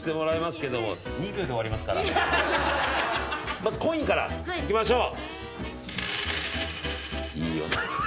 まずコインからいきましょう。